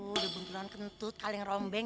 udah bentulan kentut kaleng rombeng